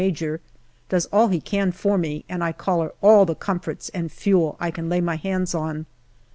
Major, does all he can for me, and I collar all the comforts and fuel I can lay my hands on.